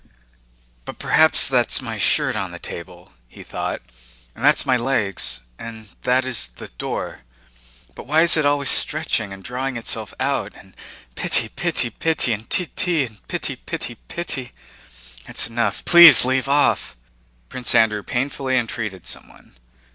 "But perhaps that's my shirt on the table," he thought, "and that's my legs, and that is the door, but why is it always stretching and drawing itself out, and 'piti piti piti' and 'ti ti' and 'piti piti piti'...? That's enough, please leave off!" Prince Andrew painfully entreated someone.